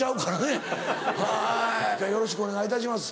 今日はよろしくお願いいたします。